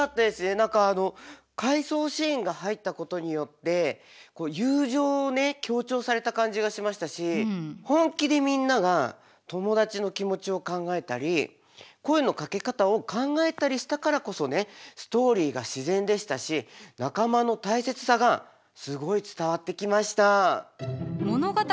何か回想シーンが入ったことによって友情をね強調された感じがしましたし本気でみんなが友達の気持ちを考えたり声のかけ方を考えたりしたからこそねストーリーが自然でしたし仲間の大切さがすごい伝わってきました。